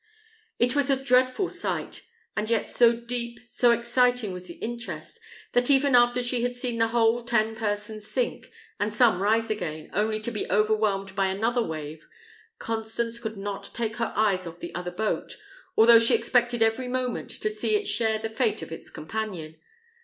It was a dreadful sight; and yet so deep, so exciting was the interest, that even after she had seen the whole ten persons sink, and some rise again, only to be overwhelmed by another wave, Constance could not take her eyes off the other boat, although she expected every moment to see it share the fate of its companion.